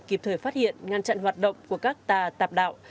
kịp thời phát hiện ngăn chặn hoạt động của các tà tạp đạo